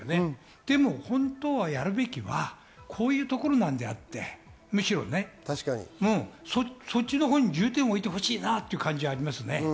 でも、本当にやるべきはこういうところなんであって、そっちのほうに重点をおいてほしいなという感じはありますね。